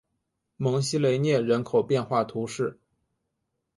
蒙西雷涅人口变化图示